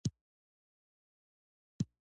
د مستونګ د بودايي نقاشیو رنګونه تر اوسه روښانه دي